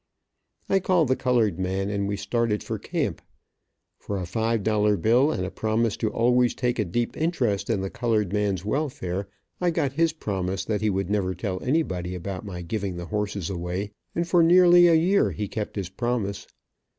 I called the colored man, and we started for camp. For a five dollar bill, and a promise to always take a deep interest in the colored man's welfare, I got his promise that he would never tell anybody about my giving the horses away, and for nearly a year he kept his promise.